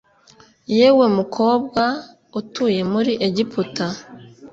Yewe mukobwaf utuye muri egiputa